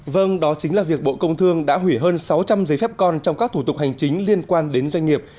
vâng đó chính là việc bộ công thương đã hủy hơn sáu trăm linh giấy phép con trong các thủ tục hành chính liên quan đến doanh nghiệp